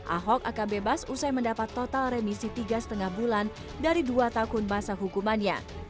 ahok akan bebas usai mendapat total remisi tiga lima bulan dari dua tahun masa hukumannya